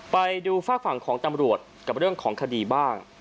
ไปดูฝากฝั่งของตำรวจกับเรื่องของคดีบ้าง